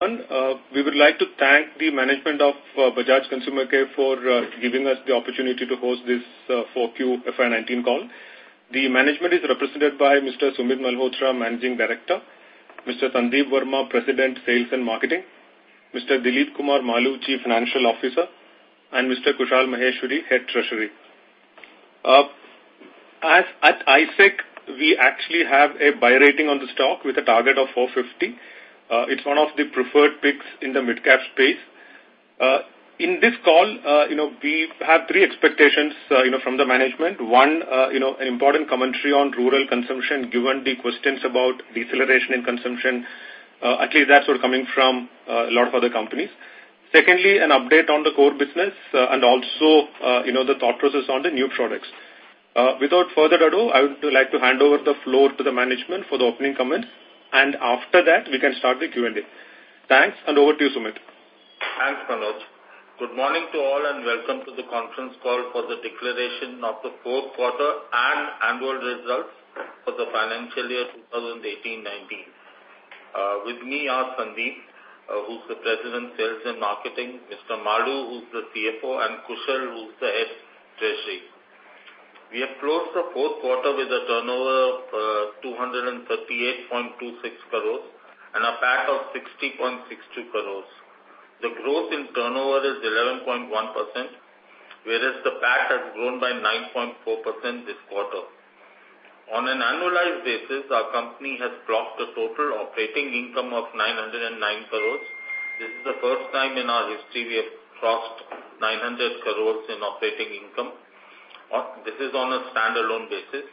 We would like to thank the management of Bajaj Consumer Care for giving us the opportunity to host this Q4 FY 2019 call. The management is represented by Mr. Sumit Malhotra, Managing Director, Mr. Sandeep Verma, President, Sales and Marketing, Mr. Dilip Kumar Maloo, Chief Financial Officer, and Mr. Kushal Maheshwari, Head Treasury. At ICICI Securities, we actually have a buy rating on the stock with a target of 450. It is one of the preferred picks in the mid-cap space. In this call, we have three expectations from the management. One, an important commentary on rural consumption, given the questions about deceleration in consumption. At least that is what is coming from a lot of other companies. Secondly, an update on the core business and also the thought process on the new products. Without further ado, I would like to hand over the floor to the management for the opening comments, and after that, we can start the Q&A. Thanks, and over to you, Sumit. Thanks, Manoj. Good morning to all, and Welcome to the conference call for the declaration of the fourth quarter and annual results for the financial year 2018-2019. With me are Sandeep, who is the President, Sales and Marketing, Mr. Maloo, who is the CFO, and Kushal, who is the Head Treasury. We have closed the fourth quarter with a turnover of INR 238.26 crores and a PAT of INR 60.62 crores. The growth in turnover is 11.1%, whereas the PAT has grown by 9.4% this quarter. On an annualized basis, our company has clocked a total operating income of 909 crores. This is the first time in our history we have crossed 900 crores in operating income. This is on a standalone basis,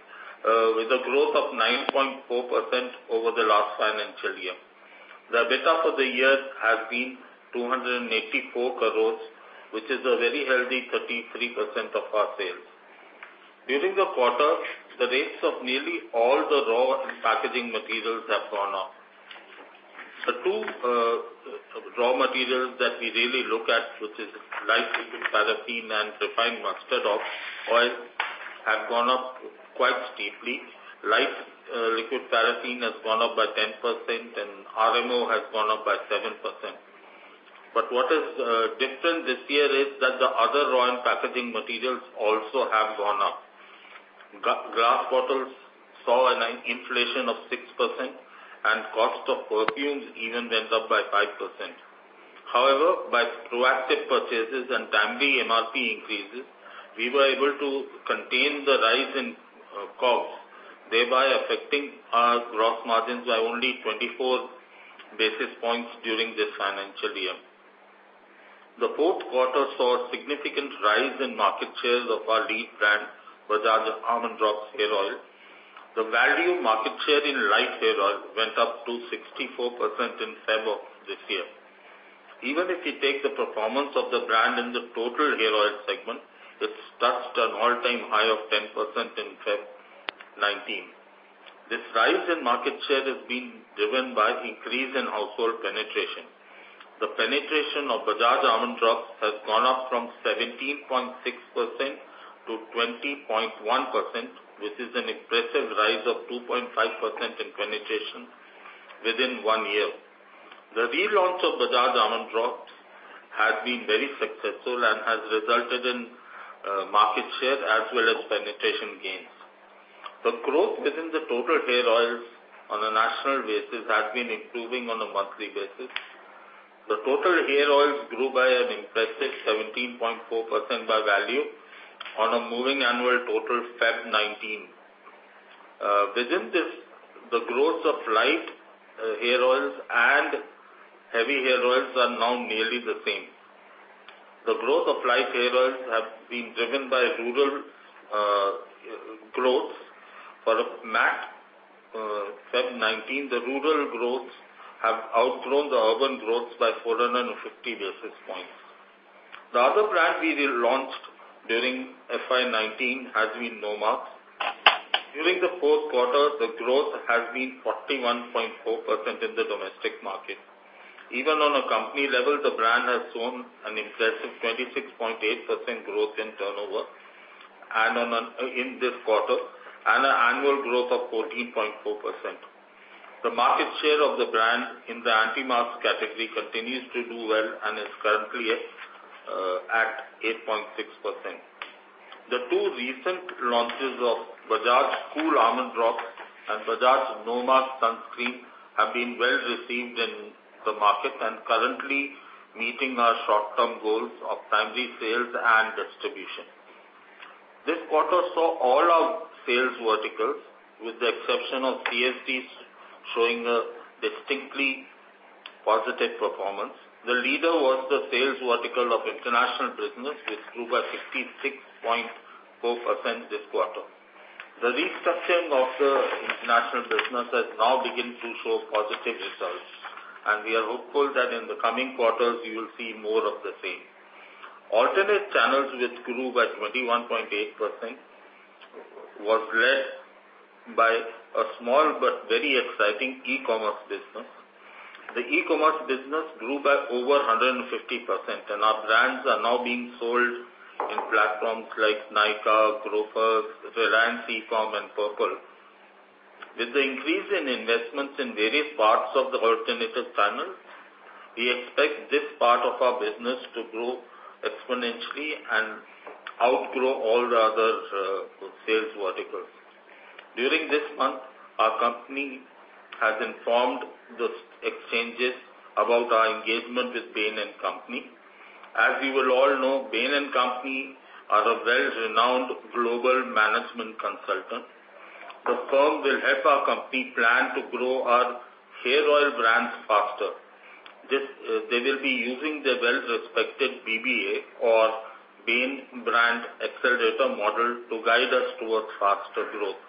with a growth of 9.4% over the last financial year. The EBITDA for the year has been 284 crores, which is a very healthy 33% of our sales. During the quarter, the rates of nearly all the raw and packaging materials have gone up. The two raw materials that we really look at, which is light liquid paraffin and refined mustard oil, have gone up quite steeply. Light liquid paraffin has gone up by 10%, and RMO has gone up by 7%. What is different this year is that the other raw and packaging materials also have gone up. Glass bottles saw an inflation of 6%, and cost of perfumes even went up by 5%. However, by proactive purchases and timely MRP increases, we were able to contain the rise in COGS, thereby affecting our gross margins by only 24 basis points during this financial year. The fourth quarter saw a significant rise in market shares of our lead brand, Bajaj Almond Drops Hair Oil. The value market share in light hair oil went up to 64% in February of this year. Even if we take the performance of the brand in the total hair oil segment, it has touched an all-time high of 10% in February 2019. This rise in market share has been driven by increase in household penetration. The penetration of Bajaj Almond Drops has gone up from 17.6%-20.1%, which is an impressive rise of 2.5% in penetration within one year. The relaunch of Bajaj Almond Drops has been very successful and has resulted in market share as well as penetration gains. The growth within the total hair oils on a national basis has been improving on a monthly basis. The total hair oils grew by an impressive 17.4% by value on a moving annual total February 2019. Within this, the growth of light hair oils and heavy hair oils are now nearly the same. The growth of light hair oils have been driven by rural growth. For MAT February 2019, the rural growth have outgrown the urban growth by 450 basis points. The other brand we relaunched during FY 2019 has been Nomarks. During the fourth quarter, the growth has been 41.4% in the domestic market. Even on a company level, the brand has shown an impressive 26.8% growth in turnover in this quarter and an annual growth of 14.4%. The market share of the brand in the antimarks category continues to do well and is currently at 8.6%. The two recent launches of Bajaj Cool Almond Drops and Bajaj Nomarks Sunscreen have been well received in the market and currently meeting our short-term goals of timely sales and distribution. This quarter saw all our sales verticals, with the exception of CSDs, showing a distinctly positive performance. The leader was the sales vertical of international business, which grew by 66.4% this quarter. The restructuring of the international business has now begun to show positive results, and we are hopeful that in the coming quarters, you will see more of the same. Alternate channels, which grew by 21.8%, was led by a small but very exciting e-commerce business. The e-commerce business grew by over 150%, and our brands are now being sold in platforms like Nykaa, Grofers, JioMart and Purplle. With the increase in investments in various parts of the alternative channel, we expect this part of our business to grow exponentially and outgrow all other sales verticals. During this month, our company has informed the exchanges about our engagement with Bain & Company. As you will all know, Bain & Company are a well-renowned global management consultant. The firm will help our company plan to grow our hair oil brands faster. They will be using their well-respected BBA or Bain Brand Accelerator Model to guide us towards faster growth.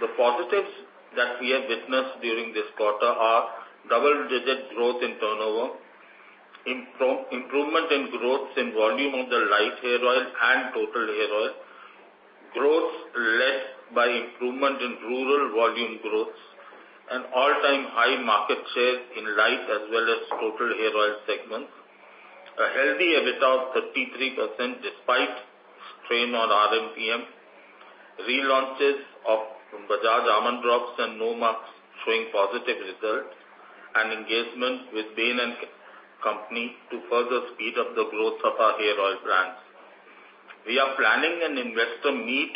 The positives that we have witnessed during this quarter are double-digit growth in turnover, improvement in growth in volume of the light hair oil and total hair oil, growth led by improvement in rural volume growth, and all-time high market share in light as well as total hair oil segments. A healthy EBITDA of 33% despite strain on RMPM. Relaunches of Bajaj Almond Drops and Nomarks showing positive results, and engagement with Bain & Company to further speed up the growth of our hair oil brands. We are planning an investor meet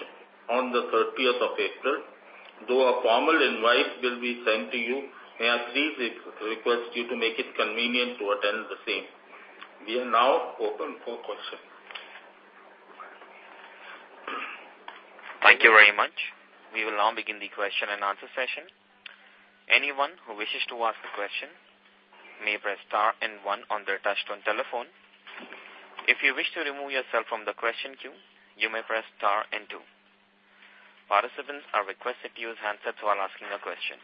on the 30th of April. Though a formal invite will be sent to you, may I please request you to make it convenient to attend the same. We are now open for questions. Thank you very much. We will now begin the question and answer session. Anyone who wishes to ask a question may press star and one on their touchtone telephone. If you wish to remove yourself from the question queue, you may press star and two. Participants are requested to use handsets while asking a question.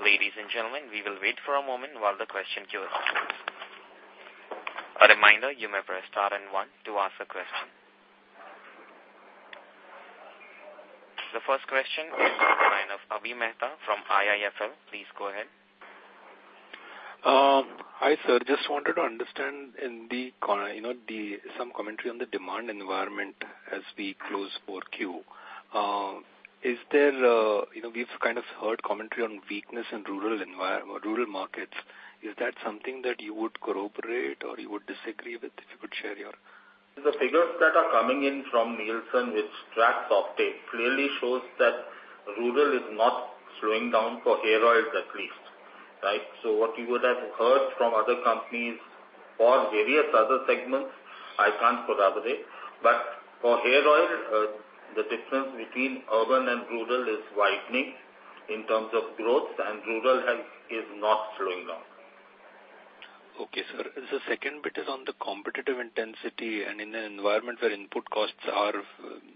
Ladies and gentlemen, we will wait for a moment while the question queue opens. A reminder, you may press star and one to ask a question. The first question is from the line of Avi Mehta from IIFL. Please go ahead. Hi, sir. Just wanted to understand some commentary on the demand environment as we close 4Q. We've kind of heard commentary on weakness in rural markets. Is that something that you would corroborate or you would disagree with? If you could share your. The figures that are coming in from Nielsen, which tracks off-take, clearly shows that rural is not slowing down for hair oils, at least. What you would have heard from other companies for various other segments, I can't corroborate. For hair oil, the difference between urban and rural is widening in terms of growth, and rural is not slowing down. Okay, sir. The second bit is on the competitive intensity and in an environment where input costs are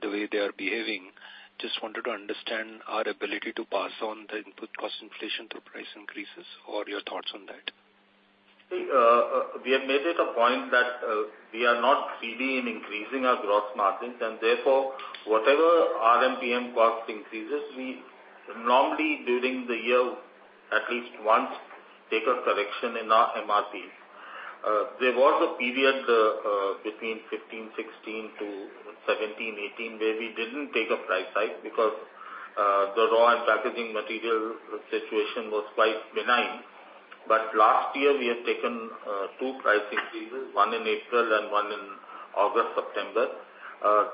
the way they are behaving, just wanted to understand our ability to pass on the input cost inflation through price increases, what are your thoughts on that? We have made it a point that we are not really increasing our gross margins. Therefore, whatever RMPM cost increases, we normally, during the year, at least once, take a correction in our MRPs. There was a period between 2015, 2016 to 2017, 2018, where we didn't take a price hike because the raw and packaging material situation was quite benign. Last year, we have taken two price increases, one in April and one in August, September.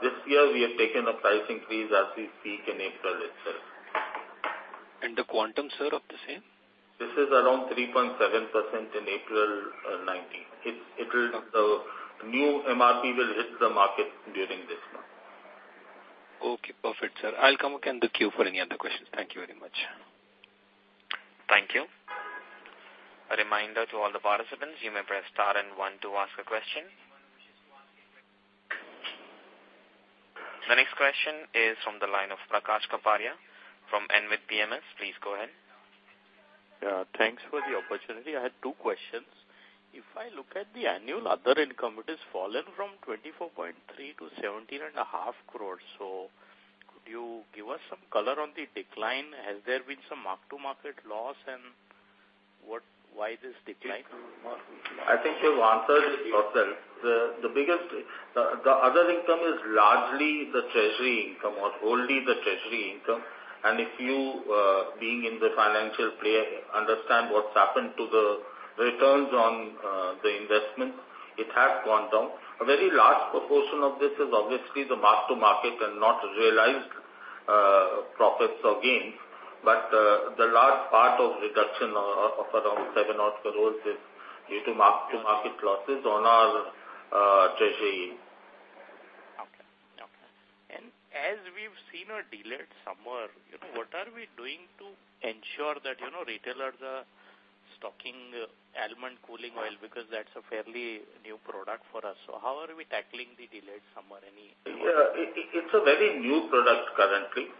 This year, we have taken a price increase as we speak in April itself. The quantum, sir, of the same? This is around 3.7% in April 2019. The new MRP will hit the market during this month. Okay, perfect, sir. I'll come again in the queue for any other questions. Thank you very much. Thank you. A reminder to all the participants, you may press star 1 to ask a question. The next question is from the line of Prakash Kapadia from Ambit PMS. Please go ahead. Thanks for the opportunity. I had two questions. If I look at the annual other income, it has fallen from 24.3 crores-17.5 crores. Could you give us some color on the decline? Has there been some mark-to-market loss, and why this decline? I think you've answered it yourself. The other income is largely the treasury income or wholly the treasury income. If you, being in the financial play, understand what's happened to the returns on the investment, it has gone down. A very large proportion of this is obviously the mark-to-market and not realized profits or gains. The large part of reduction of around 7 odd crores is due to mark-to-market losses on our treasury. Okay. As we've seen or delayed summer, what are we doing to ensure that retailers are stocking Almond Cooling Oil? That's a fairly new product for us. How are we tackling the delayed summer, any- It's a very new product currently.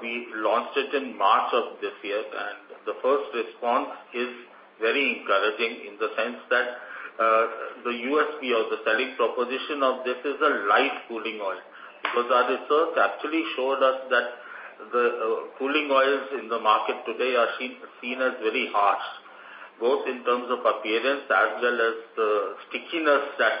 We launched it in March of this year. The first response is very encouraging in the sense that the USP or the selling proposition of this is a light cooling oil. Our research actually showed us that the cooling oils in the market today are seen as very harsh. Both in terms of appearance as well as the stickiness that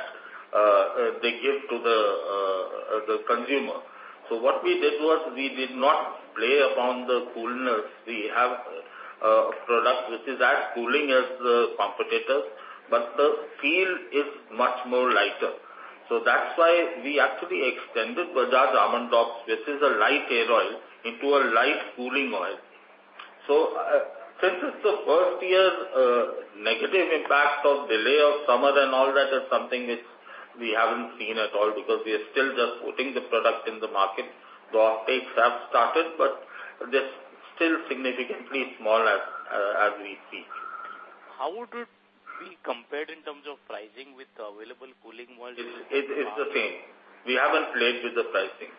they give to the consumer. What we did was, we did not play upon the coolness. We have a product which is as cooling as the competitor, but the feel is much more lighter. That's why we actually extended Bajaj Almond Drops, which is a light hair oil, into a light cooling oil. Since it's the first year, negative impact of delay of summer and all that is something which we haven't seen at all, we are still just putting the product in the market. The off-takes have started, but they're still significantly small as we speak. How would it be compared in terms of pricing with the available cooling oils in the market? It's the same. We haven't played with the pricing.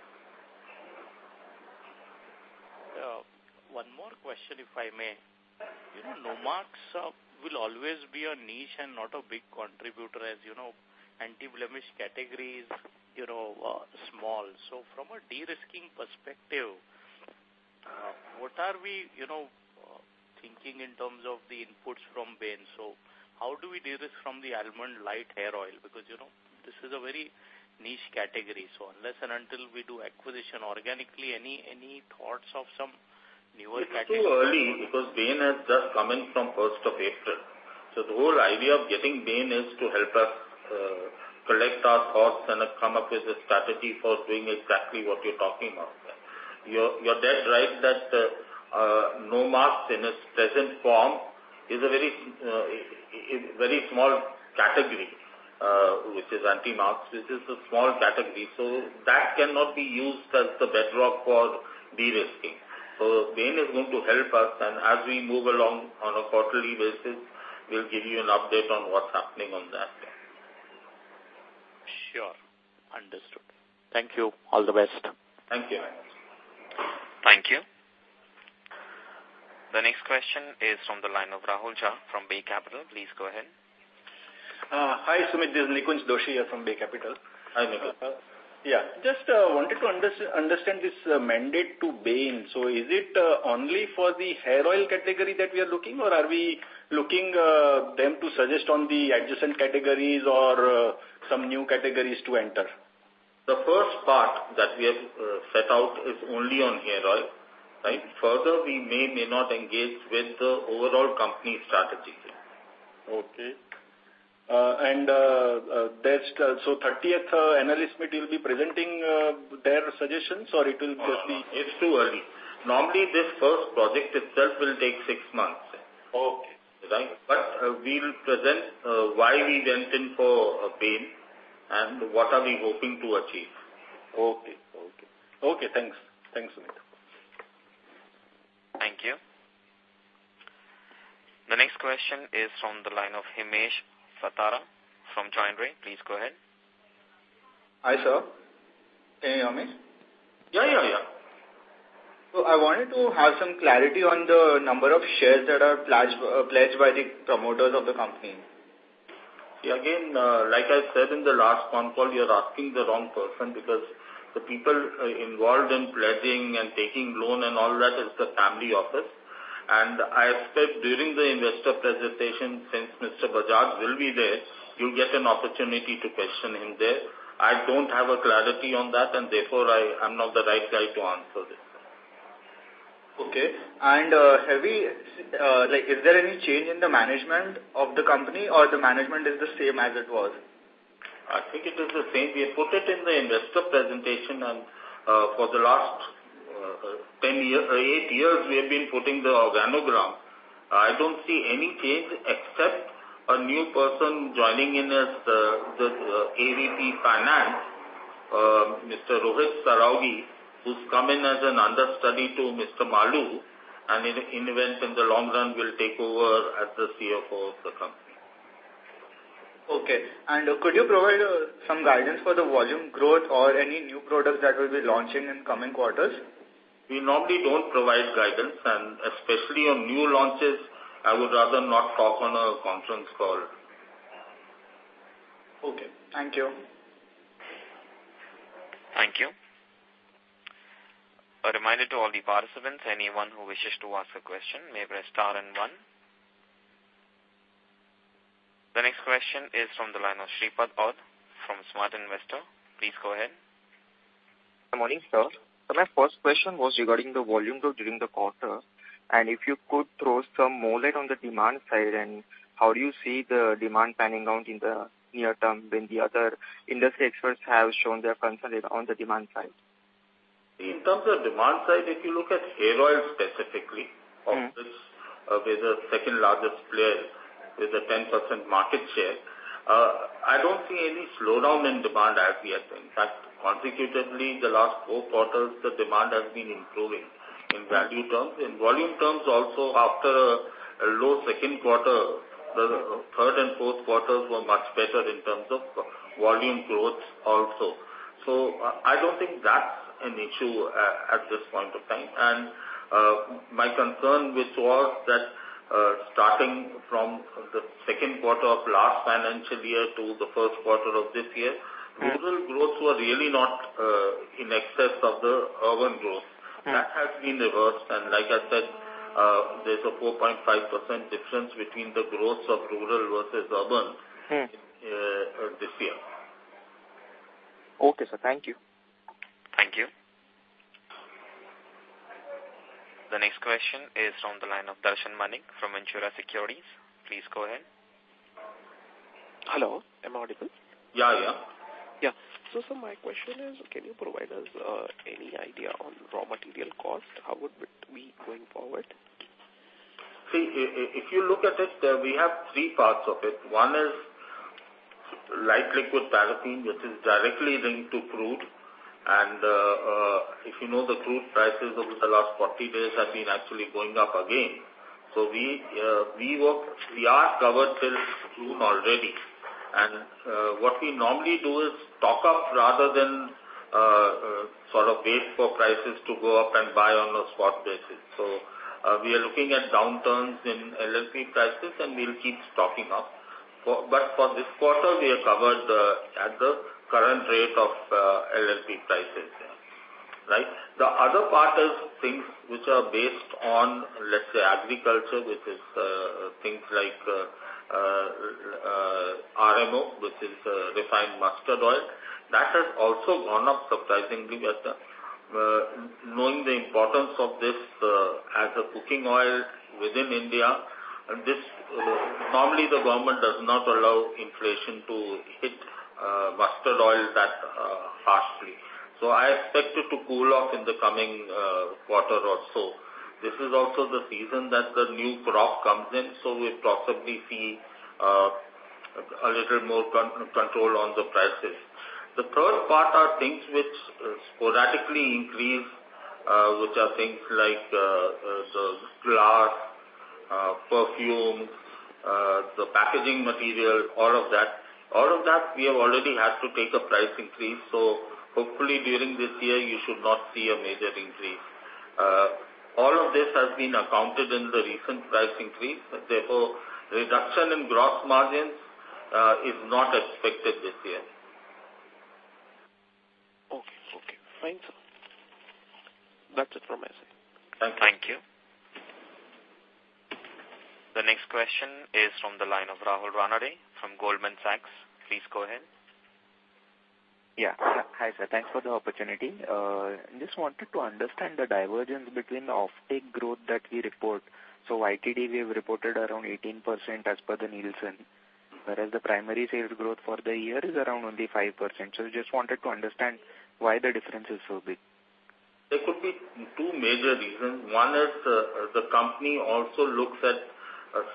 One more question, if I may. Nomarks will always be a niche and not a big contributor, as you know, anti-blemish categories were small. From a de-risking perspective, what are we thinking in terms of the inputs from Bain? How do we de-risk from the almond light hair oil? Because this is a very niche category, unless and until we do acquisition organically, any thoughts of some newer categories? It's too early because Bain has just come in from 1st of April. The whole idea of getting Bain is to help us collect our thoughts and come up with a strategy for doing exactly what you're talking about. You're dead right that the Nomarks in its present form is a very small category, which is Antimarks. This is a small category, that cannot be used as the bedrock for de-risking. Bain is going to help us, and as we move along on a quarterly basis, we'll give you an update on what's happening on that. Sure. Understood. Thank you. All the best. Thank you. Thank you. The next question is from the line of Rahul Jha from Bay Capital. Please go ahead. Hi, Sumit. This is Nikunj Doshi from Bay Capital. Hi, Nikunj. wanted to understand this mandate to Bain. Is it only for the hair oil category that we are looking or are we looking them to suggest on the adjacent categories or some new categories to enter? The first part that we have set out is only on hair oil. Further, we may not engage with the overall company strategy. Okay. 30th analyst meet will be presenting their suggestions. It is too early. Normally, this first project itself will take six months. Okay. We will present why we went in for Bain and what are we hoping to achieve. Okay, thanks. Thanks, Sumit. Thank you. The next question is from the line of Himesh Satra from Choice Broking. Please go ahead. Hi, sir. Can you hear me? Yeah. I wanted to have some clarity on the number of shares that are pledged by the promoters of the company. Again, like I said in the last con call, you're asking the wrong person because the people involved in pledging and taking loan and all that is the family office. I expect during the investor presentation, since Mr. Bajaj will be there, you'll get an opportunity to question him there. I don't have a clarity on that, and therefore, I'm not the right guy to answer this. Okay. Is there any change in the management of the company or the management is the same as it was? I think it is the same. We have put it in the investor presentation, and for the last eight years, we have been putting the organogram. I don't see any change except a new person joining in as the AVP Finance, Mr. Rohit Saraogi, who's come in as an understudy to Mr. Maloo, and in events in the long run, will take over as the CFO of the company. Okay. Could you provide some guidance for the volume growth or any new products that will be launching in coming quarters? We normally don't provide guidance, and especially on new launches, I would rather not talk on a conference call. Okay. Thank you. Thank you. A reminder to all the participants, anyone who wishes to ask a question, may press star and one. The next question is from the line of Shreepad Aute from Smart Investor. Please go ahead. Good morning, sir. My first question was regarding the volume growth during the quarter. If you could throw some more light on the demand side, how do you see the demand panning out in the near term when the other industry experts have shown their concern on the demand side? In terms of demand side, if you look at hair oil specifically, of which we're the second-largest player with a 10% market share, I don't see any slowdown in demand as yet. In fact, consecutively, the last four quarters, the demand has been improving in value terms. In volume terms also, after a low second quarter, the third and fourth quarters were much better in terms of volume growth also. I don't think that's an issue at this point of time. My concern with that, starting from the second quarter of last financial year to the first quarter of this year, rural growths were really not in excess of the urban growth. That has been reversed. Like I said, there's a 4.5% difference between the growth of rural versus urban this year. Okay, sir. Thank you. Thank you. The next question is on the line of Darshan Malik from Ventura Securities. Please go ahead. Hello. Am I audible? Yeah. Yeah. Sir, my question is, can you provide us any idea on raw material cost? How would it be going forward? See, if you look at it, we have three parts of it. One is light liquid paraffin, which is directly linked to crude. If you know, the crude prices over the last 40 days have been actually going up again. We are covered till June already. What we normally do is stock up rather than sort of wait for prices to go up and buy on a spot basis. We are looking at downturns in LLP prices, and we'll keep stocking up. For this quarter, we are covered at the current rate of LLP prices here. The other part is things which are based on, let's say, agriculture, which is things like RMO, which is refined mustard oil. That has also gone up surprisingly, as knowing the importance of this as a cooking oil within India. Normally the government does not allow inflation to hit mustard oil that harshly. I expect it to cool off in the coming quarter or so. This is also the season that the new crop comes in, so we'll possibly see a little more control on the prices. The third part are things which sporadically increase, which are things like glass, perfume, the packaging material, all of that. All of that, we have already had to take a price increase, so hopefully during this year you should not see a major increase. All of this has been accounted in the recent price increase, therefore, reduction in gross margins is not expected this year. Okay. Fine, sir. That's it from my side. Thank you. Thank you. The next question is from the line of Rahul Ranade from Goldman Sachs. Please go ahead. Yeah. Hi, sir. Thanks for the opportunity. Just wanted to understand the divergence between the offtake growth that we report. YTD, we have reported around 18% as per the Nielsen, whereas the primary sales growth for the year is around only 5%. Just wanted to understand why the difference is so big. There could be two major reasons. One is the company also looks at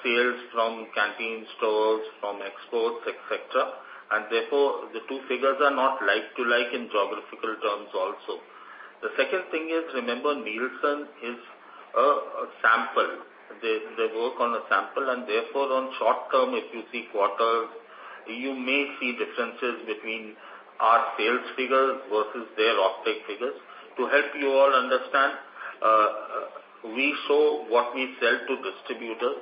sales from canteen stores, from exports, et cetera, and therefore, the two figures are not like-to-like in geographical terms also. The second thing is, remember, Nielsen is a sample. They work on a sample, and therefore, on short term, if you see quarters, you may see differences between our sales figures versus their offtake figures. To help you all understand, we show what we sell to distributors.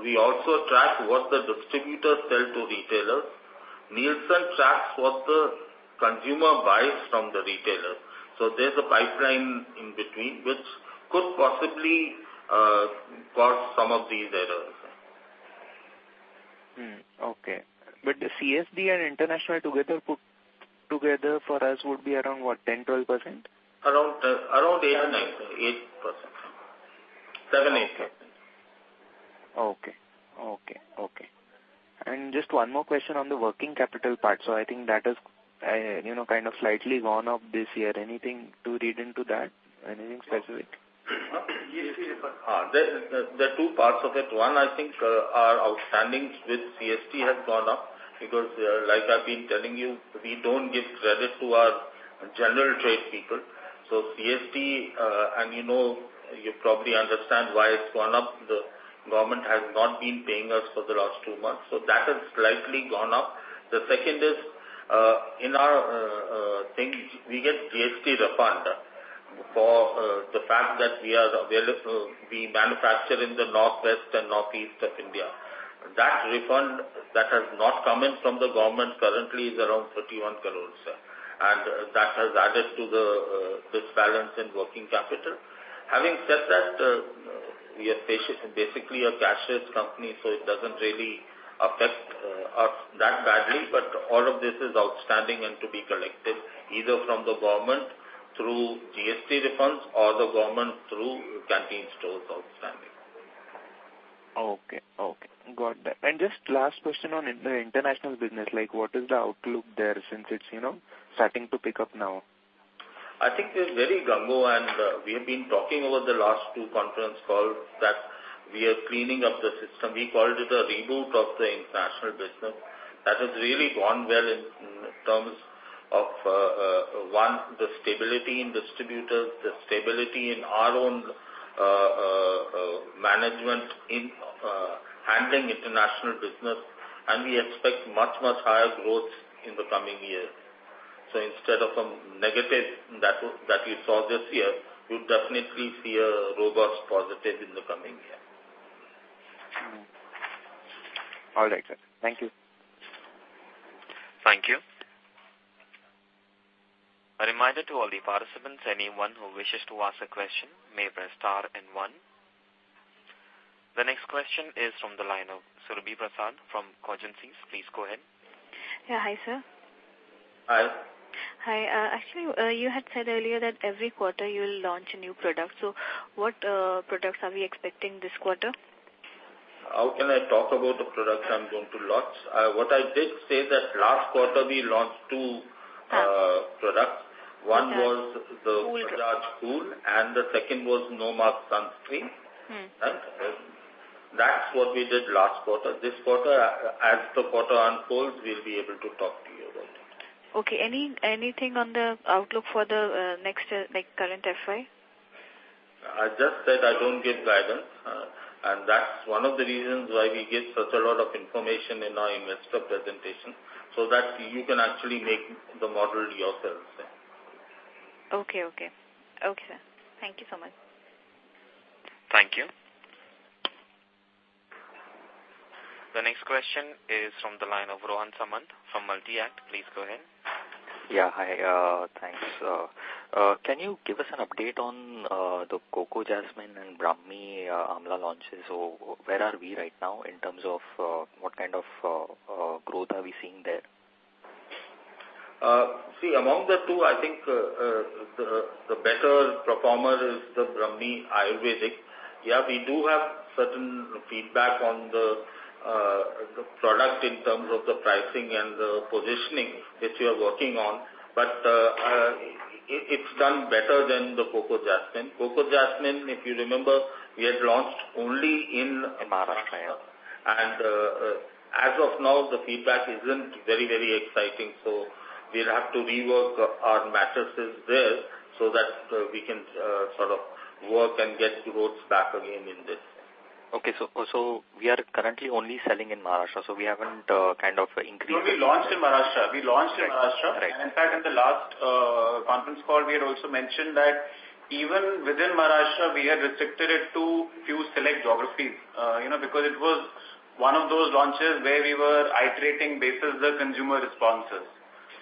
We also track what the distributors sell to retailers. Nielsen tracks what the consumer buys from the retailer. There's a pipeline in between, which could possibly cause some of these errors. Okay. The CSD and international together for us would be around what, 10%-12%? Around 8% or 9%, sir. 8%. 7%, 8%. Okay. Just one more question on the working capital part. I think that has kind of slightly gone up this year. Anything to read into that? Anything specific? There are two parts of it. One, I think our outstanding with CSD has gone up because like I've been telling you, we don't give credit to our general trade people. CSD, and you probably understand why it's gone up. The government has not been paying us for the last two months. That has slightly gone up. The second is, in our thing, we get GST refund for the fact that we manufacture in the northwest and northeast of India. That refund that has not come in from the government currently is around 31 crores, sir. That has added to this balance in working capital. Having said that, we are basically a cashless company, so it doesn't really affect us that badly. All of this is outstanding and to be collected either from the government through GST refunds or the government through canteen stores outstanding. Okay. Got that. Just last question on the international business. What is the outlook there since it's starting to pick up now? I think we are very gung-ho, we have been talking over the last two conference calls that we are cleaning up the system. We called it a reboot of the international business. That has really gone well in terms of, one, the stability in distributors, the stability in our own management in handling international business, we expect much, much higher growth in the coming year. Instead of some negative that you saw this year, you'll definitely see a robust positive in the coming year. All right, sir. Thank you. Thank you. A reminder to all the participants, anyone who wishes to ask a question may press star and one. The next question is from the line of Surbhi Prasad from Cogencis Information Services. Please go ahead. Yeah. Hi, sir. Hi. Hi. Actually, you had said earlier that every quarter you'll launch a new product. What products are we expecting this quarter? How can I talk about the products I'm going to launch? What I did say that last quarter, we launched two products. One was the Bajaj Cool and the second was Nomarks Sunscreen. That's what we did last quarter. This quarter, as the quarter unfolds, we'll be able to talk to you about it. Okay. Anything on the outlook for the next current FY? I just said I don't give guidance. That's one of the reasons why we give such a lot of information in our investor presentation, so that you can actually make the model yourself, sir. Okay. Okay, sir. Thank you so much. Thank you. The next question is from the line of Rohan Samant from Multi-Act. Please go ahead. Yeah. Hi. Thanks. Can you give us an update on the Coco Jasmine and Brahmi Amla launches? Where are we right now in terms of what kind of growth are we seeing there? See, among the two, I think, the better performer is the Brahmi Ayurvedic. Yeah, we do have certain feedback on the product in terms of the pricing and the positioning which we are working on. It's done better than the Coco Jasmine. Coco Jasmine, if you remember, we had launched only in Maharashtra. As of now, the feedback isn't very exciting, so we'll have to rework our metrics there so that we can sort of work and get the growth back again in this. Okay, we are currently only selling in Maharashtra. We haven't kind of increased- No, we launched in Maharashtra. We launched in Maharashtra. Right. In fact, in the last conference call, we had also mentioned that even within Maharashtra, we had restricted it to few select geographies because it was one of those launches where we were iterating basis the consumer responses.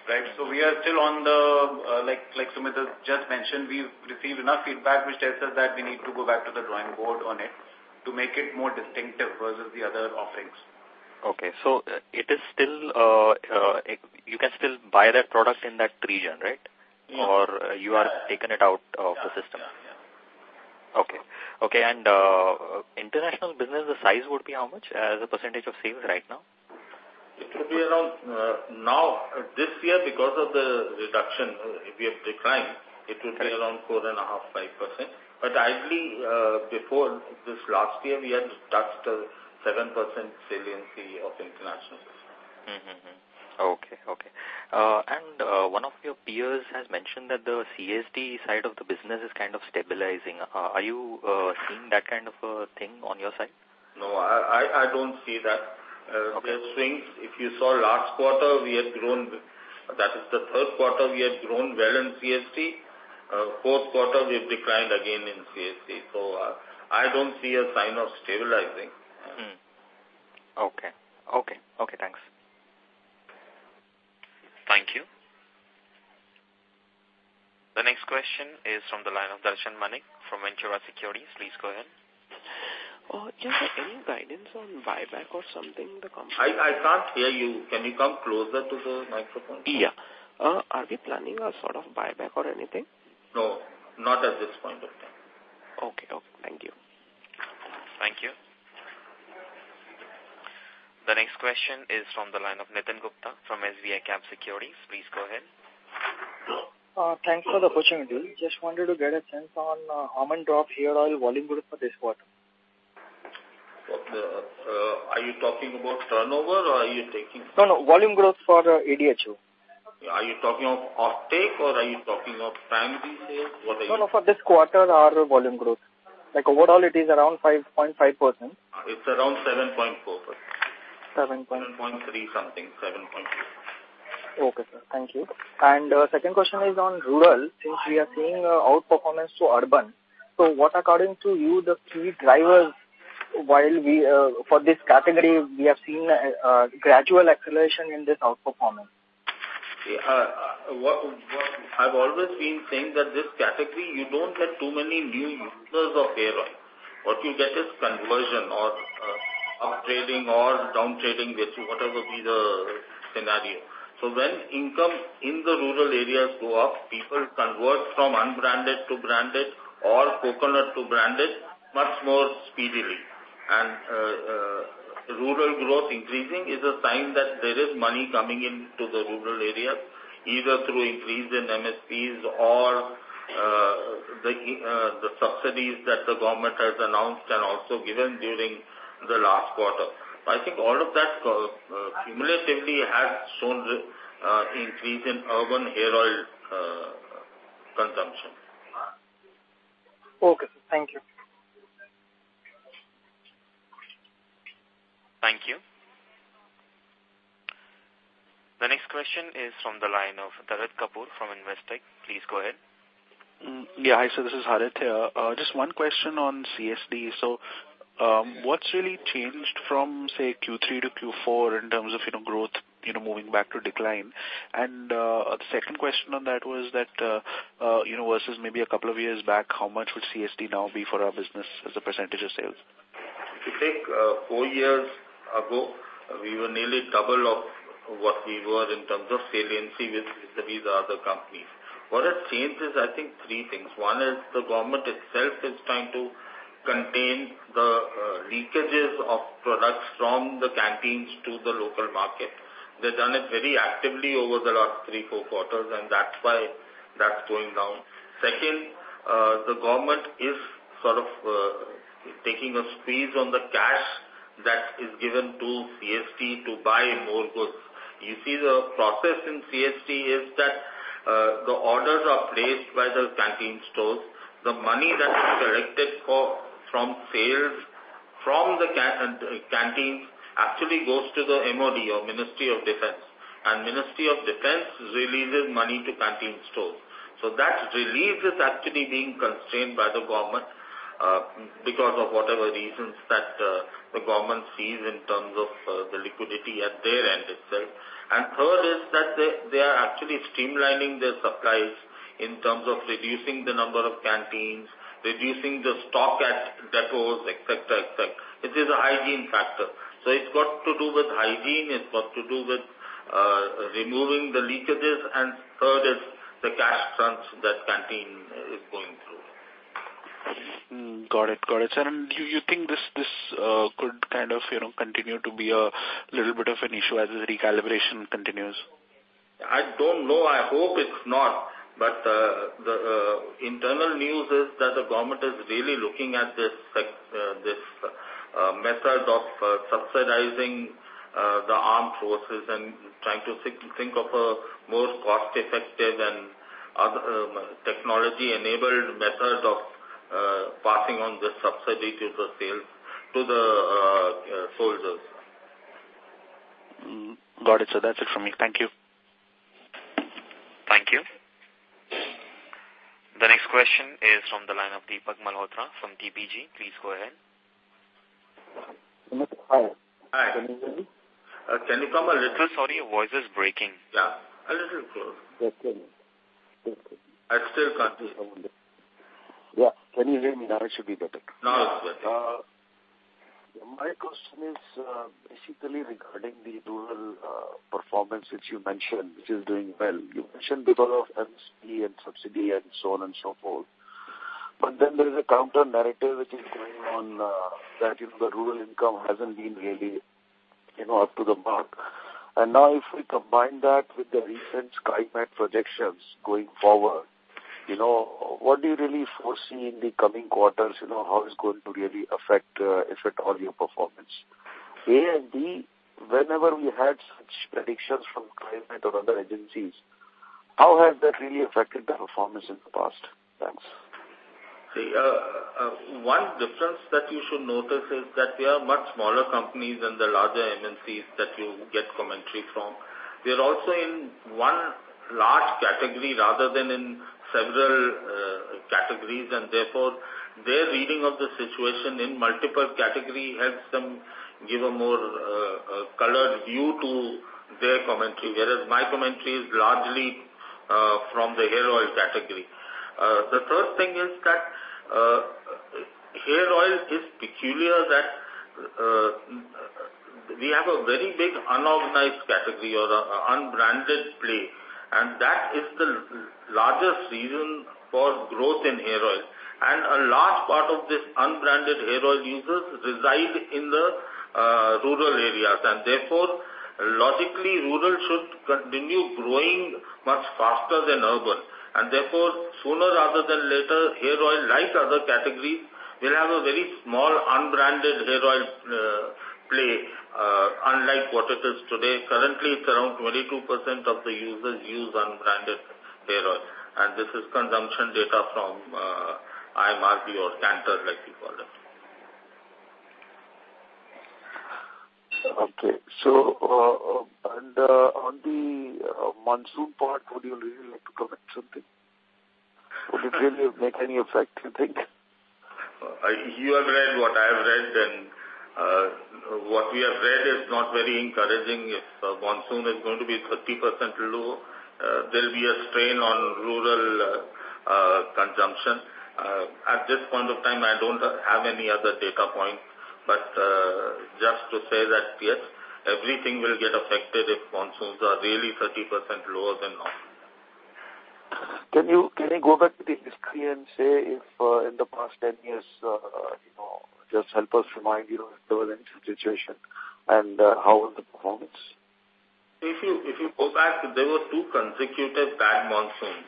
Right. We are still on the, like Sumit just mentioned, we've received enough feedback which tells us that we need to go back to the drawing board on it to make it more distinctive versus the other offerings. Okay. You can still buy that product in that region, right? You are taking it out of the system? Yeah. Okay. International business, the size would be how much as a percentage of sales right now? It will be around now this year because of the reduction, we have declined. It will be around 4.5%-5%. Ideally, before this last year, we had touched 7% saliency of international business. Okay. One of your peers has mentioned that the CSD side of the business is kind of stabilizing. Are you seeing that kind of a thing on your side? No, I don't see that. Okay. There are swings. If you saw last quarter, we had grown. That is the third quarter we had grown well in CSD. Fourth quarter, we have declined again in CSD. I don't see a sign of stabilizing. Okay. Thanks. Thank you. The next question is from the line of Darshan Malik from Ventura Securities. Please go ahead. Sir, any guidance on buyback or something the company? I can't hear you. Can you come closer to the microphone? Yeah. Are we planning a sort of buyback or anything? No, not at this point of time. Okay. Thank you. Thank you. The next question is from the line of Nitin Gupta from SBICAP Securities. Please go ahead. Thanks for the opportunity. Just wanted to get a sense on Almond Drop Hair Oil volume growth for this quarter. Are you talking about turnover or are you? No, no. Volume growth for ADHO. Are you talking of offtake or are you talking of primary sales? What are you- No, for this quarter, our volume growth. Like overall it is around 5.5%. It's around 7.4%. 7.4% 7.3% something, 7.2%. Okay, sir. Thank you. Second question is on rural, since we are seeing outperformance to urban. What according to you the key drivers while we for this category, we have seen gradual acceleration in this outperformance? I've always been saying that this category, you don't get too many new users of hair oil. What you get is conversion or up trading or down trading with you, whatever be the scenario. When income in the rural areas go up, people convert from unbranded to branded or coconut to branded much more speedily. Rural growth increasing is a sign that there is money coming into the rural areas, either through increase in MSPs or the subsidies that the government has announced and also given during the last quarter. I think all of that cumulatively has shown increase in urban hair oil consumption. Okay, sir. Thank you. Thank you. The next question is from the line of Harit Kapoor from Investec. Please go ahead. Yeah. Hi, this is Harit. What's really changed from, say, Q3-Q4 in terms of growth, moving back to decline? The second question on that was that, versus maybe a couple of years back, how much would CSD now be for our business as a percentage of sales? If you think, four years ago, we were nearly double of what we were in terms of saliency with these other companies. What has changed is, I think, three things. One is the government itself is trying to contain the leakages of products from the canteens to the local market. They've done it very actively over the last three, four quarters, and that's why that's going down. Second, the government is sort of taking a squeeze on the cash that is given to CSD to buy more goods. You see, the process in CSD is that the orders are placed by the canteen stores. The money that is collected from sales from the canteens actually goes to the MoD or Ministry of Defence. Ministry of Defence releases money to canteen stores. That release is actually being constrained by the government because of whatever reasons that the government sees in terms of the liquidity at their end itself. Third is that they are actually streamlining their supplies in terms of reducing the number of canteens, reducing the stock at depots, et cetera. It is a hygiene factor. It's got to do with hygiene, it's got to do with removing the leakages, and third is the cash crunch that canteen is going through. Got it, sir. Do you think this could kind of continue to be a little bit of an issue as the recalibration continues? I don't know. I hope it's not. The internal news is that the government is really looking at this method of subsidizing the armed forces and trying to think of a more cost-effective and other technology-enabled methods of passing on this subsidy to the soldiers. Got it, sir. That's it from me. Thank you. Thank you. The next question is from the line of Deepak Poddar from Delphi Advisory. Please go ahead. Hi. Hi. Can you come a little- Sorry, your voice is breaking. Yeah. A little close. Okay. I still can't hear. Yeah. Can you hear me now? It should be better. Now it's better. My question is basically regarding the rural performance, which you mentioned, which is doing well. You mentioned because of MSP and subsidy and so on and so forth. There is a counter-narrative which is going on that the rural income hasn't been really up to the mark. If we combine that with the recent Skymet Weather projections going forward, what do you really foresee in the coming quarters? How it's going to really affect all your performance? A, and B, whenever we had such predictions from Skymet or other agencies, how has that really affected the performance in the past? Thanks. One difference that you should notice is that we are much smaller companies than the larger MNCs that you get commentary from. We are also in one large category rather than in several categories, and therefore, their reading of the situation in multiple category helps them give a more colored view to their commentary. Whereas my commentary is largely from the hair oil category. The first thing is that hair oil is peculiar that we have a very big unorganized category or unbranded play, and that is the largest reason for growth in hair oil. A large part of this unbranded hair oil users reside in the rural areas, and therefore, logically rural should continue growing much faster than urban. Therefore, sooner rather than later, hair oil like other categories, will have a very small unbranded hair oil play unlike what it is today. Currently, it's around 22% of the users use unbranded hair oil. This is consumption data from IMRB or Kantar, like you call them. On the monsoon part, would you really like to comment something? Would it really make any effect, you think? You have read what I have read, and what we have read is not very encouraging. If monsoon is going to be 30% low there'll be a strain on rural consumption. At this point of time, I don't have any other data point, but just to say that, yes, everything will get affected if monsoons are really 30% lower than normal. Can you go back to the history and say if in the past 10 years, just help us remind if there was any such situation and how was the performance? If you go back, there were two consecutive bad monsoons.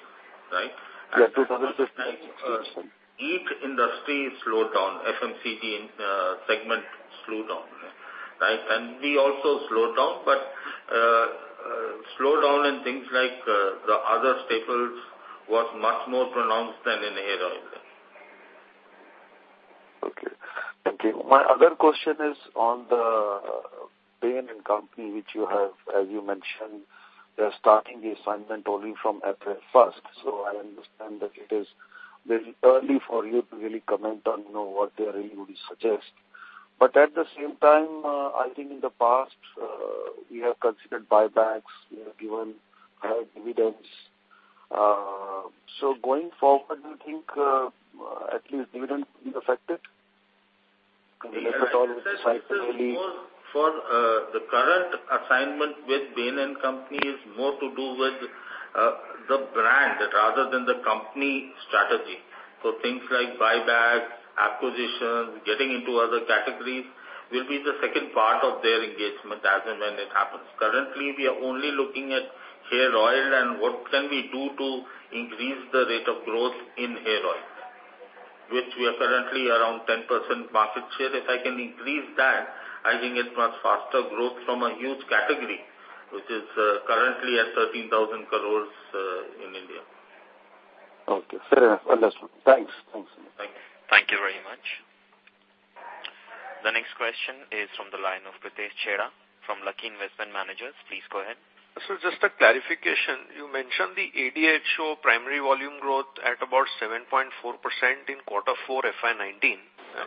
Right? Yeah, 2016. Each industry slowed down. FMCG segment slowed down. Right? We also slowed down. Slowdown in things like the other staples was much more pronounced than in hair oil. My other question is on the Bain & Company, which you have, as you mentioned, they are starting the assignment only from April 1st. I understand that it is very early for you to really comment on what they really would suggest. At the same time, I think in the past, we have considered buybacks. We have given high dividends. Going forward, do you think at least dividends will be affected? This is more for the current assignment with Bain & Company is more to do with the brand rather than the company strategy. Things like buybacks, acquisitions, getting into other categories will be the second part of their engagement as and when it happens. Currently, we are only looking at hair oil and what can we do to increase the rate of growth in hair oil, which we are currently around 10% market share. If I can increase that, I think it's much faster growth from a huge category, which is currently at 13,000 crores in India. Okay. Fair. Understood. Thanks. Thank you very much. The next question is from the line of Pritesh Chheda from Lucky Investment Managers. Please go ahead. Sir, just a clarification. You mentioned the ADHO primary volume growth at about 7.4% in quarter four FY 2019.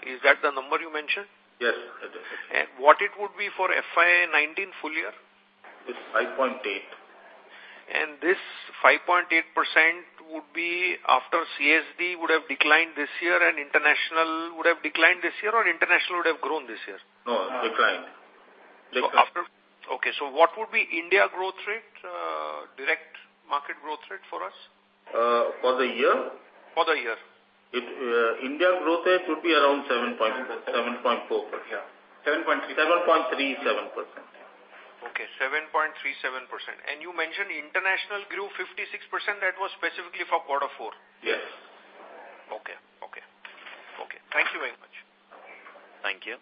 Is that the number you mentioned? Yes. What it would be for FY 2019 full year? It's 5.8%. This 5.8% would be after CSD would have declined this year and international would have declined this year, or international would have grown this year? No, declined. Okay. What would be India growth rate, direct market growth rate for us? For the year? For the year. India growth rate would be around 7.37%. Okay, 7.37%. You mentioned international grew 56%. That was specifically for quarter four. Yes. Okay. Thank you very much. Thank you.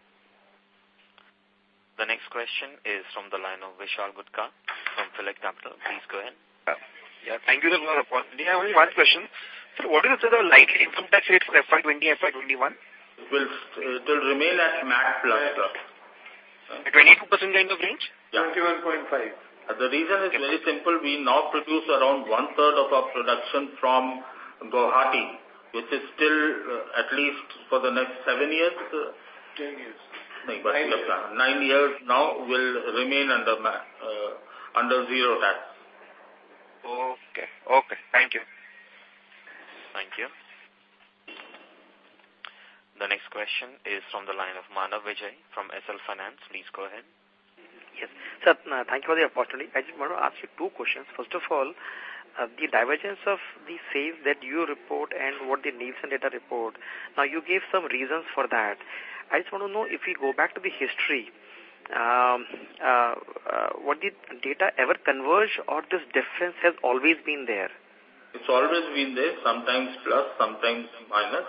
The next question is from the line of Vishal Punmiya from EMKAY Global Financial Services. Please go ahead. Yeah. Thank you for the opportunity. I have only one question. Sir, what is the likely income tax rate for FY 2020, FY 2021? It will remain at MAT plus. 22% kind of range? Yeah. 21.5%. The reason is very simple. We now produce around 1/3 of our production from Guwahati, which is still at least for the next seven years 10 years. Nine years. Nine years now will remain under zero tax. Okay. Thank you. Thank you. The next question is from the line of Manav Vijay from Essel Finance Management. Please go ahead. Yes. Sir, thank you for the opportunity. I just want to ask you two questions. First of all, the divergence of the sales that you report and what the Nielsen data report. You gave some reasons for that. I just want to know if we go back to the history, would the data ever converge, or this difference has always been there? It's always been there, sometimes plus, sometimes minus.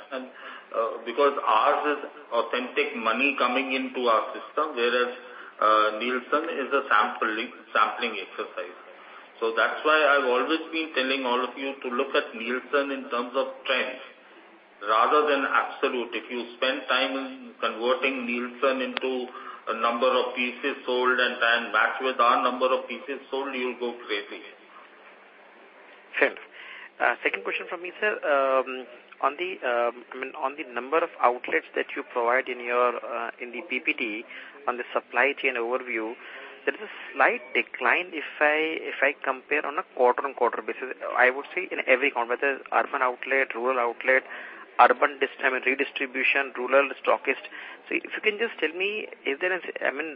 Because ours is authentic money coming into our system, whereas Nielsen is a sampling exercise. That's why I've always been telling all of you to look at Nielsen in terms of trends rather than absolute. If you spend time in converting Nielsen into a number of pieces sold and then match with our number of pieces sold, you'll go crazy. Fair. Second question from me, sir. On the number of outlets that you provide in the PPT on the supply chain overview, there is a slight decline if I compare on a quarter-on-quarter basis. I would say in every quarter, whether it's urban outlet, rural outlet, urban redistribution, rural stockist. If you can just tell me,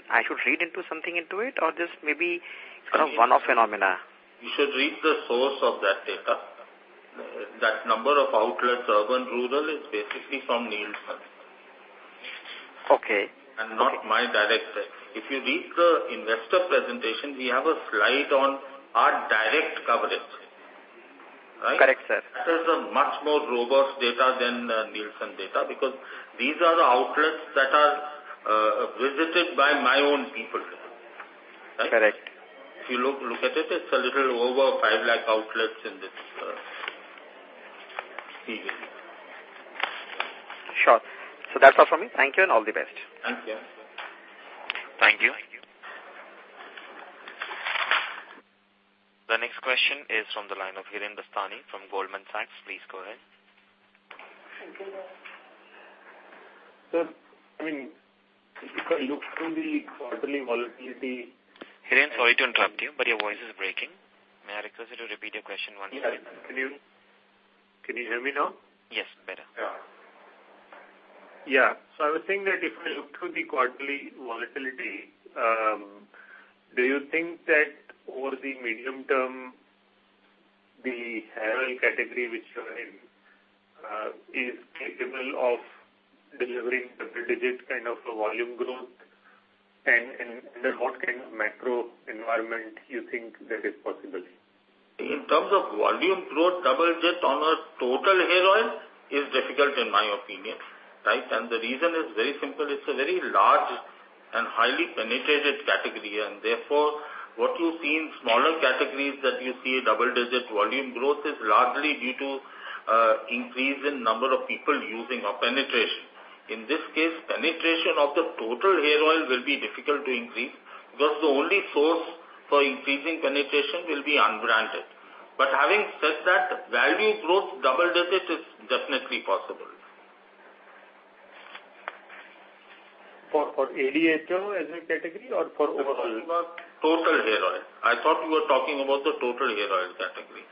I should read into something into it or just maybe kind of one-off phenomena. You should read the source of that data. That number of outlets, urban, rural, is basically from Nielsen. Okay. Not my direct sales. If you read the investor presentation, we have a slide on our direct coverage. Right? Correct, sir. That is a much more robust data than Nielsen data because these are the outlets that are visited by my own people. Correct. If you look at it's a little over 5 lakh outlets in this season. Sure. That's all from me. Thank you and all the best. Thank you. Thank you. The next question is from the line of Hiren Dasani from Goldman Sachs. Please go ahead. Sir, if I look through the quarterly volatility- Hiren, sorry to interrupt you. Your voice is breaking. May I request you to repeat your question once again? Can you hear me now? Yes, better. Yeah. I was saying that if I look through the quarterly volatility, do you think that over the medium term, the hair oil category which you are in is capable of delivering double-digit kind of a volume growth? Under what kind of macro environment you think that is possible? In terms of volume growth, double-digit on a total hair oil is difficult in my opinion, right? The reason is very simple. It's a very large and highly penetrated category, and therefore, what you see in smaller categories that you see a double-digit volume growth is largely due to increase in number of people using our penetration. In this case, penetration of the total hair oil will be difficult to increase because the only source for increasing penetration will be unbranded. Having said that, value growth double-digit is definitely possible. For ADHO as a category or for overall? We're talking about total hair oil. I thought you were talking about the total hair oil category.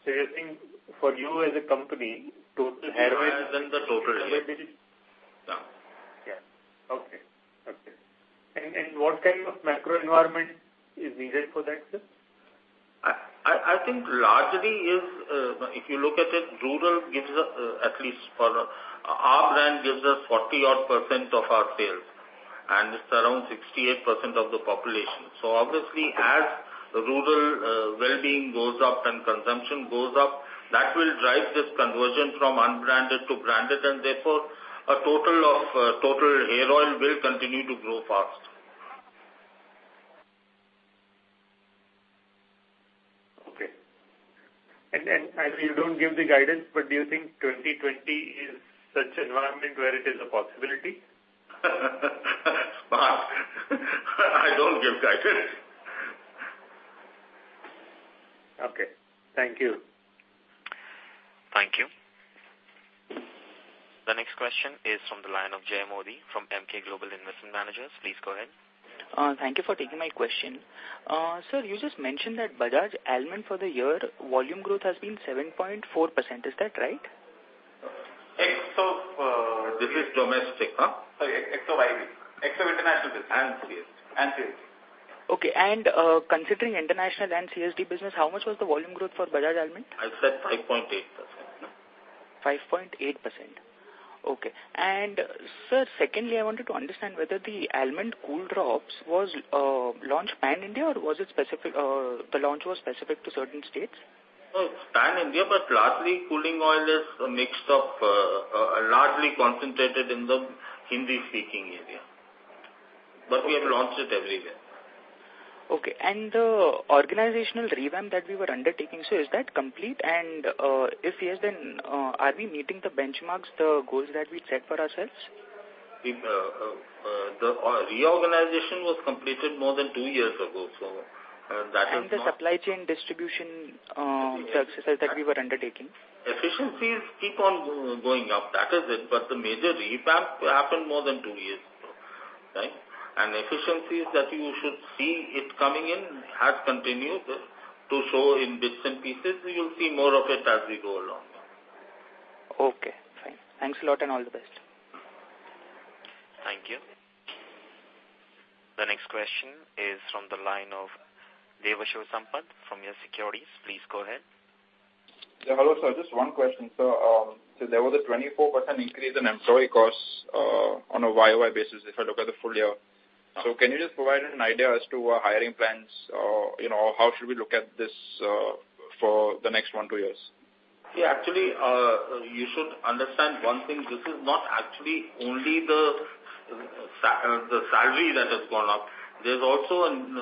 I think for you as a company, total hair oil Hair oil is in the total oil. Yeah. Yeah. Okay. What kind of macro environment is needed for that, sir? I think largely, if you look at it, rural gives us, at least for our brand, 40%-odd of our sales, and it's around 68% of the population. Obviously, as rural wellbeing goes up and consumption goes up, that will drive this conversion from unbranded to branded, and therefore, total hair oil will continue to grow fast. Okay. I know you don't give the guidance, do you think 2020 is such environment where it is a possibility? I don't give guidance. Okay. Thank you. Thank you. The next question is from the line of Jay Modi from EMKAY Global Financial Services. Please go ahead. Thank you for taking my question. Sir, you just mentioned that Bajaj Almond for the year, volume growth has been 7.4%, is that right? This is domestic, huh? Sorry, ex of IB. Ex of international business. CSD. CSD. Okay, considering international and CSD business, how much was the volume growth for Bajaj Almond? I said 5.8%, no? 5.8%. Okay. Sir, secondly, I wanted to understand whether the Almond Cool Drops was launched PAN India or the launch was specific to certain states? No, it's PAN India, largely cooling oil is a mix of, largely concentrated in the Hindi-speaking area. We have launched it everywhere. Okay, the organizational revamp that we were undertaking, sir, is that complete? If yes, are we meeting the benchmarks, the goals that we set for ourselves? The reorganization was completed more than two years ago, so that is not- The supply chain distribution, the exercise that we were undertaking. Efficiencies keep on going up. That is it. The major revamp happened more than two years ago. Right? Efficiencies that you should see it coming in has continued to show in bits and pieces. You'll see more of it as we go along. Okay, fine. Thanks a lot and all the best. Thank you. The next question is from the line of Devasis Sampat from YES Securities. Please go ahead. Hello, sir. Just one question. There was a 24% increase in employee costs on a YOY basis if I look at the full year. Can you just provide an idea as to hiring plans or how should we look at this for the next one, two years? Actually, you should understand one thing. This is not actually only the salary that has gone up. There is also an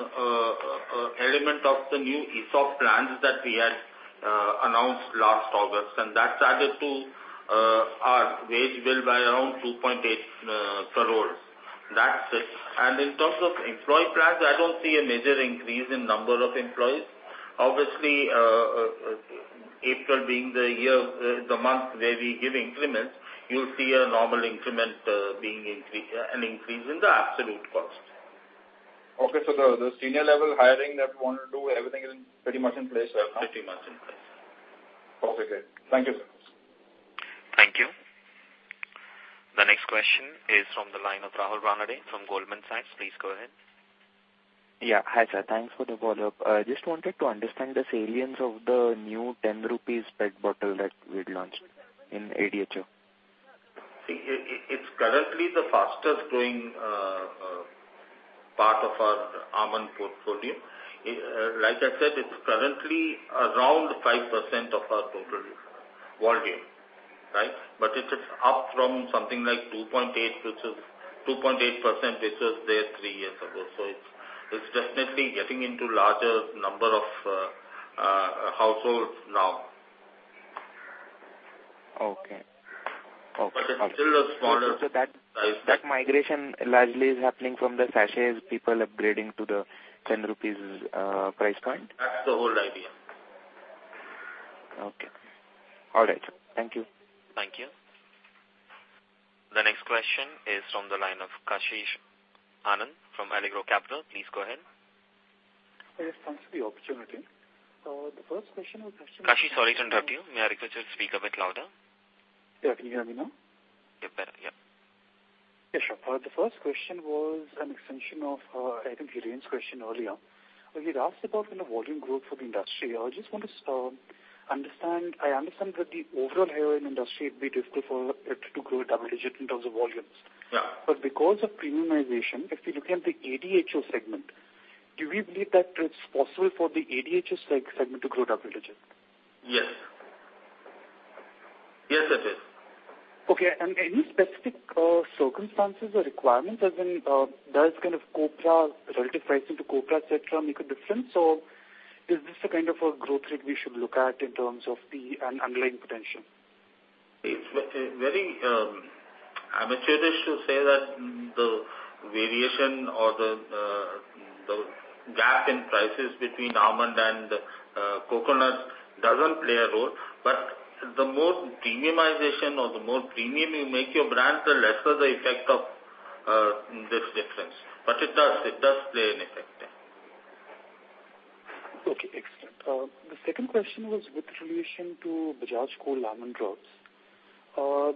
element of the new ESOP plans that we had announced last August, and that added to our wage bill by around 2.8 crores. That is it. In terms of employee plans, I do not see a major increase in number of employees. Obviously, April being the month where we give increments, you will see a normal increment being an increase in the absolute cost. The senior level hiring that you want to do, everything is pretty much in place? Yeah, pretty much in place. Okay. Thank you, sir. Thank you. The next question is from the line of Rahul Ranade from Goldman Sachs. Please go ahead. Yeah. Hi, sir. Thanks for the follow-up. I just wanted to understand the salience of the new 10 rupees pegged bottle that we had launched in ADHO. It's currently the fastest-growing part of our Almond portfolio. Like I said, it's currently around 5% of our total volume. Right. It is up from something like 2.8%, which was there three years ago. It's definitely getting into larger number of households now. Okay. It is still a smaller size. That migration largely is happening from the sachets, people upgrading to the 10 rupees price point? That's the whole idea. Okay. All right, sir. Thank you. Thank you. The next question is from the line of Kashish Anand from Allegro Capital. Please go ahead. Yes, thanks for the opportunity. Kashish, sorry to interrupt you. May I request you to speak a bit louder? Yeah. Can you hear me now? Yeah, better. Yep. Yeah, sure. The first question was an extension of, I think Hiren question earlier, where he'd asked about volume growth for the industry. I understand that the overall hair oil industry, it'd be difficult for it to grow double digit in terms of volumes. Yeah. Because of premiumization, if you look at the ADHO segment, do we believe that it's possible for the ADHO segment to grow double digit? Yes. Yes, it is. Okay. Any specific circumstances or requirements, as in does kind of copra, relative pricing to copra, et cetera, make a difference, or is this a kind of a growth rate we should look at in terms of the underlying potential? It's very amateurish to say that the variation or the gap in prices between almond and coconut doesn't play a role, but the more premiumization or the more premium you make your brand, the lesser the effect of this difference. It does play an effect there. Okay, excellent. The second question was with relation to Bajaj Cool Almond Drops. As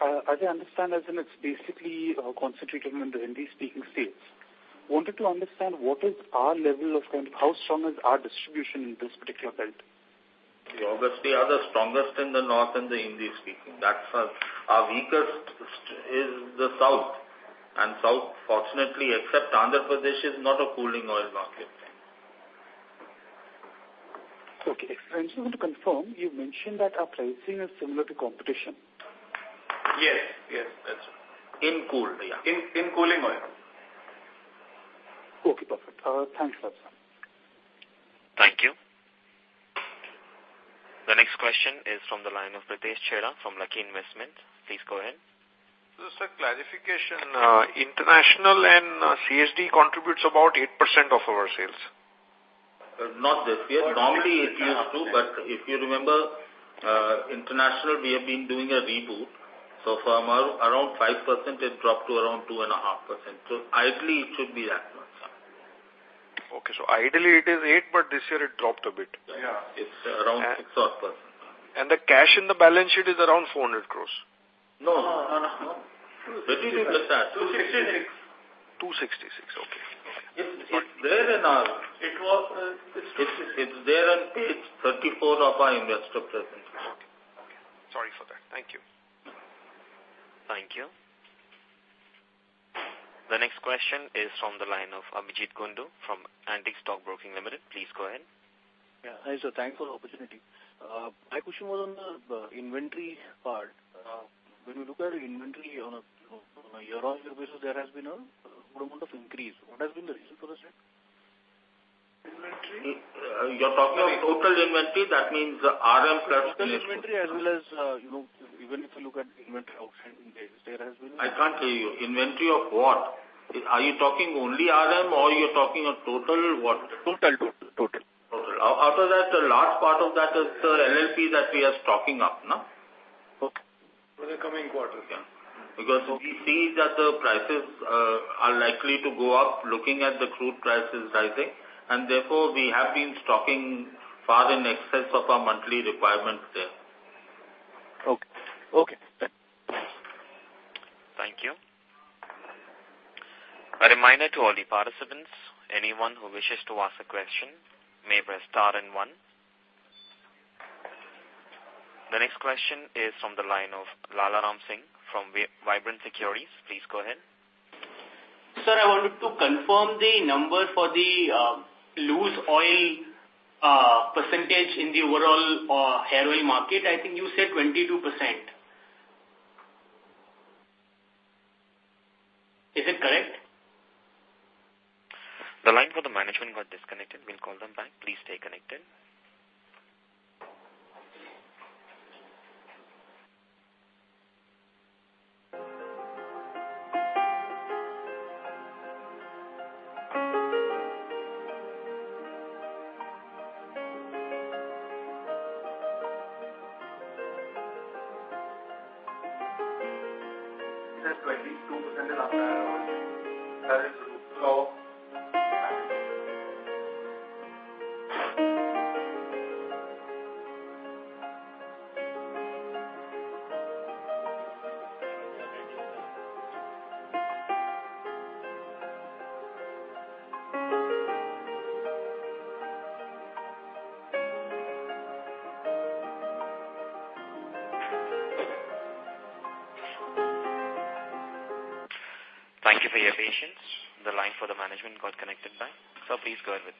I understand, it's basically concentrated in the Hindi-speaking states. How strong is our distribution in this particular belt? We obviously are the strongest in the North in the Hindi speaking. Our weakest is the South, and South fortunately, except Andhra Pradesh, is not a cooling oil market. Okay. Just want to confirm, you mentioned that our pricing is similar to competition. Yes, that's right. In cool oil. In cooling oil. Okay, perfect. Thanks a lot, sir. Thank you. The next question is from the line of Pritesh Chheda from Lucky Investment Managers. Please go ahead. Just a clarification. International and CSD contributes about 8% of our sales. Not this year. Normally it used to, but if you remember, International, we have been doing a reboot. From around 5%, it dropped to around 2.5%. Ideally, it should be that much. Okay. Ideally it is 8%, but this year it dropped a bit. Yeah, it's around 6%. The cash in the balance sheet is around 400 crores. No. No. What did you just say? 266. Okay. It's there in our- It was It's there on page 34 of our investor presentation. Okay. Sorry for that. Thank you. Thank you. The next question is from the line of Abhijeet Kundu from Antique Stock Broking Limited. Please go ahead. Yeah. Hi, sir. Thanks for the opportunity. My question was on the inventory part. When you look at the inventory on a year-on-year basis, there has been a good amount of increase. What has been the reason for the same? Inventory. You're talking of total inventory, that means RM plus. Total inventory as well as even if you look at inventory outside in DFC, there has been. I can't hear you. Inventory of what? Are you talking only RM or you're talking of total? What? Total. Total. After that, the last part of that is the LLP that we are stocking up. Okay. For the coming quarter. Yeah. We see that the prices are likely to go up, looking at the crude prices rising, and therefore, we have been stocking far in excess of our monthly requirements there. Okay. Thank you. A reminder to all the participants, anyone who wishes to ask a question may press star and one. The next question is from the line of Lalaram Singh from Vibrant Securities. Please go ahead. Sir, I wanted to confirm the number for the loose oil percentage in the overall hair oil market. I think you said 22%. Is it correct? The line for the management got disconnected. We'll call them back. Please stay connected. Thank you for your patience. The line for the management got connected back. Sir, please go ahead with.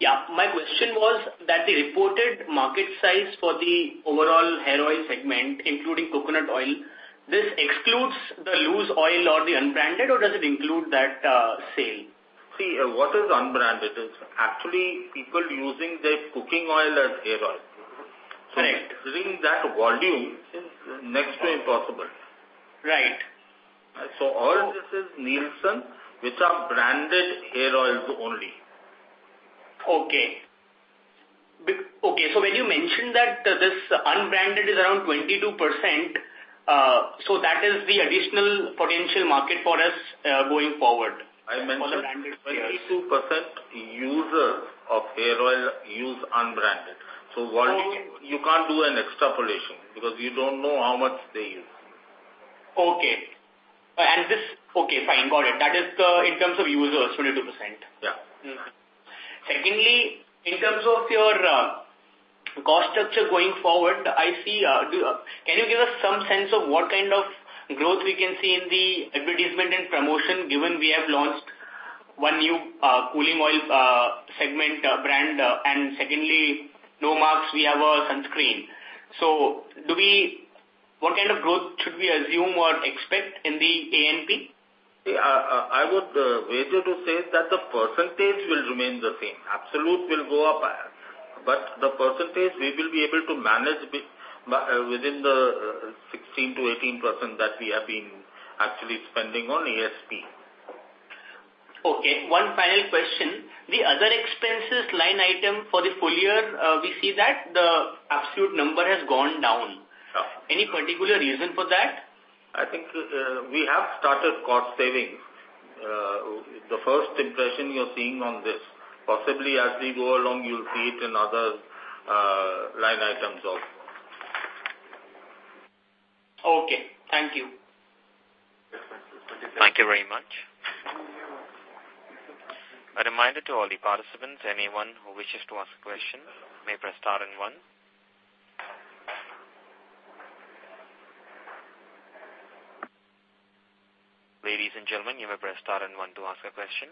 Yeah. My question was that the reported market size for the overall hair oil segment, including coconut oil, this excludes the loose oil or the unbranded, or does it include that sale? See, what is unbranded is actually people using their cooking oil as hair oil. Right. Measuring that volume is next to impossible. Right. All this is Nielsen, which are branded hair oils only. Okay. When you mentioned that this unbranded is around 22%, that is the additional potential market for us going forward. I mentioned 22% users of hair oil use unbranded. Volume, you can't do an extrapolation because you don't know how much they use. Okay, fine. Got it. That is in terms of users, 22%. Yeah. Secondly, in terms of your cost structure going forward, can you give us some sense of what kind of growth we can see in the advertisement and promotion, given we have launched one new cooling oil segment brand, and secondly, Nomarks, we have a sunscreen. What kind of growth should we assume or expect in the A&P? I would venture to say that the percentage will remain the same. Absolute will go up, but the percentage we will be able to manage within the 16%-18% that we have been actually spending on A&P. Okay. One final question. The other expenses line item for the full year, we see that the absolute number has gone down. Yeah. Any particular reason for that? I think we have started cost saving. The first impression you are seeing on this, possibly as we go along, you will see it in other line items also. Okay. Thank you. Thank you very much. A reminder to all the participants, anyone who wishes to ask a question may press star and one. Ladies and gentlemen, you may press star and one to ask a question.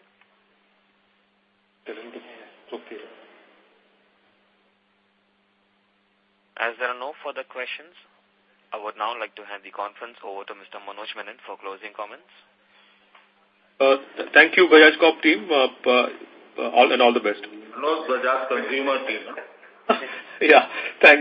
As there are no further questions, I would now like to hand the conference over to Mr. Manoj Menon for closing comments. Thank you, Bajaj Corp team, and all the best. Close Bajaj Consumer Care team. Yeah. Thank you.